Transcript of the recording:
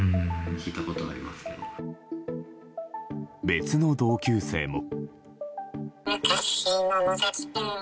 別の同級生も。